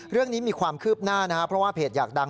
เรื่องนี้มีความคืบหน้านะครับเพราะว่าเพจอยากดัง